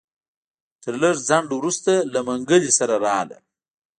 تر لږ ځنډ وروسته له منګلي سره راغله.